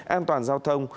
an toàn giao thông